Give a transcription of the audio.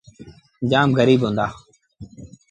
جآم گريٚب هُݩدآ۔